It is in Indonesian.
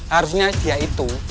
harusnya dia itu